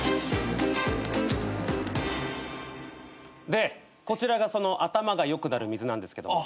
でこちらがその頭が良くなる水なんですけども。